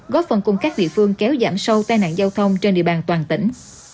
góp phần cùng các địa phương kéo giảm sâu tai nạn giao thông trên địa bàn toàn tỉnh